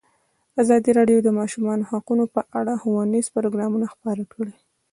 ازادي راډیو د د ماشومانو حقونه په اړه ښوونیز پروګرامونه خپاره کړي.